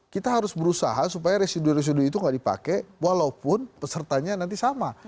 kita harus berusaha supaya residu residu itu tidak dipakai walaupun pesertanya nanti sama